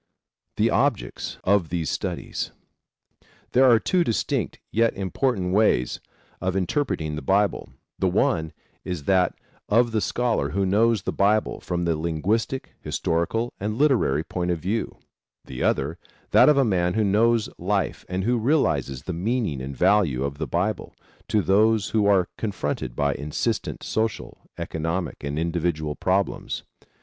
THE OBJECTS OF THESE STUDIES, There are two distinct yet important ways of interpreting the Bible: The one is that of the scholar who knows the Bible from the linguistic, historical and literary point of view; the other, that of the man who knows life and who realizes the meaning and value of the Bible to those who are confronted by insistent social, economic and individual problems.